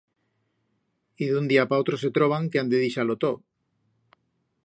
Y d'un día pa otro se troban que han que dixar-lo todo.